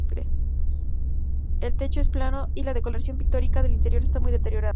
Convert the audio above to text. El techo es plano y la decoración pictórica del interior está muy deteriorada.